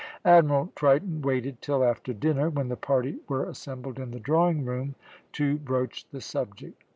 Admiral Triton waited till after dinner, when the party were assembled in the drawing room to broach the subject.